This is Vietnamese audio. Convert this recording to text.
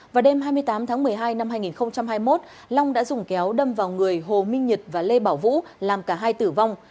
vào đêm hai mươi tám tháng một mươi hai năm hai nghìn hai mươi một long đã dùng kéo đâm vào người hồ minh nhật và lê bảo vũ làm cả hai tử vong